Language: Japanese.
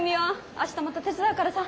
明日また手伝うからさ！